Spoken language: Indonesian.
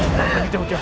jangan pergi jauh jauh